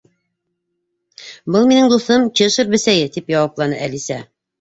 —Был минең дуҫым, Чешир Бесәйе, —тип яуапланы Әлисә.